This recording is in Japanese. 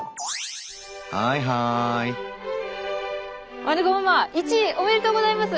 はいはい。